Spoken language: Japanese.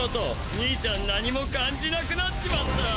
兄ちゃん何も感じなくなっちまったぁ。